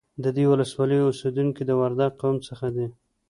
د دې ولسوالۍ اوسیدونکي د وردگ قوم څخه دي